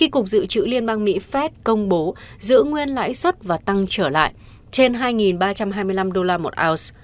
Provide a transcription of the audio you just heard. cục dự trữ liên bang mỹ fed công bố giữ nguyên lãi suất và tăng trở lại trên hai ba trăm hai mươi năm đô la một ounce